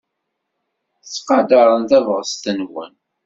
Ttqadaren tabɣest-nwen.